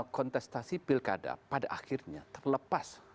kontestasi pilkada pada akhirnya terlepas